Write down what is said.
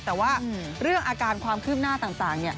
แต่ว่าเรื่องอาการความคืบหน้าต่าง